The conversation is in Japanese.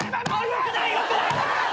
よくないよくない！